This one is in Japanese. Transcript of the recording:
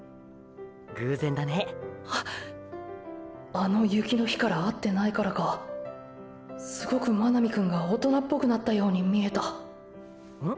あの雪の日から会ってないからかすごく真波くんが大人っぽくなったように見えたん？